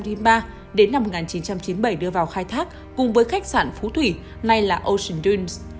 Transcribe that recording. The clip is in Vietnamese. đến năm một nghìn chín trăm chín mươi bảy đưa vào khai thác cùng với khách sạn phú thủy nay là ocean dunes